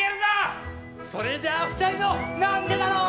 それじゃあ２人のなんでだろう！